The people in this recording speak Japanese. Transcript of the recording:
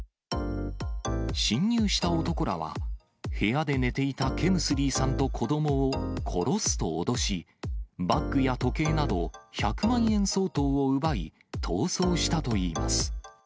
侵入した男らは、部屋で寝ていたケムスリーさんと子どもを殺すと脅し、バッグや時計など１００万円相当を奪い、逃走したといいます。